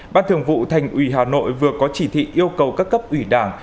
ban thường vụ thành ủy hà nội vừa có chỉ thị yêu cầu các cấp ủy đảng